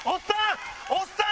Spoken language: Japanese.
おっさん！